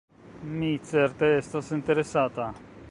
Mi certe estas interesata.